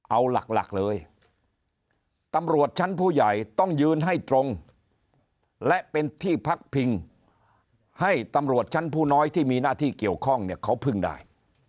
เอาหลักเลยตำรวจชั้นผู้ใหญ่ต้องยืนให้ตรงและเป็นที่พักพิงให้ตำรวจชั้นผู้น้อยที่มีหน้าที่เกี่ยวข้องเนี่ยเขาพึ่งได้